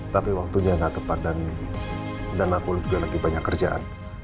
tapi waktunya nggak tepat dan aku juga lagi banyak kerjaan